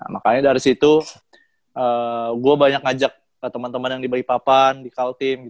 makanya dari situ gue banyak ngajak ke temen temen yang di bipapan di calteam